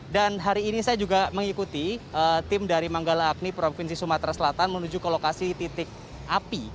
dan hari ini saya juga mengikuti tim dari manggala agni provinsi sumatera selatan menuju ke lokasi titik api